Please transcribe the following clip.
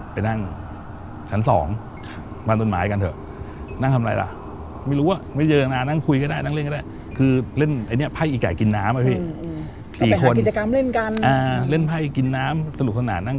ไปนั่ง